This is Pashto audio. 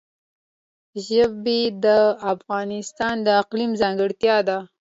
ژبې د افغانستان د اقلیم ځانګړتیا ده.